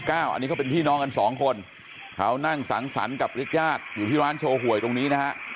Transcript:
อันนี้เขาเป็นพี่น้องกันสองคนเขานั่งสังสรรค์กับญาติญาติอยู่ที่ร้านโชว์หวยตรงนี้นะฮะ